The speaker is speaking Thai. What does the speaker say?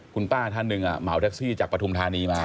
คุณป้าท่านหนึ่งเหมาแท็กซี่จากปฐุมธานีมา